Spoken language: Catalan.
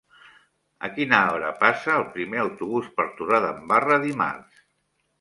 A quina hora passa el primer autobús per Torredembarra dimarts?